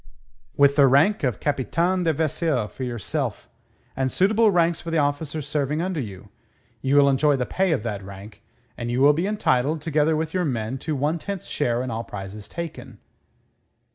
"With the rank of Capitaine de Vaisseau for yourself, and suitable ranks for the officers serving under you. You will enjoy the pay of that rank, and you will be entitled, together with your men, to one tenth share in all prizes taken."